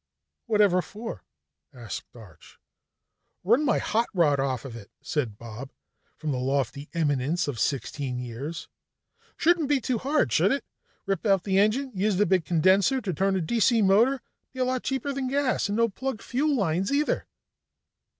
"Whatever for?" asked Arch. "Run my hot rod off it," said Bob from the lofty eminence of sixteen years. "Shouldn't be too hard, should it? Rip out the engine; use the big condenser to turn a D.C. motor it'd be a lot cheaper than gas, and no plugged fuel lines either."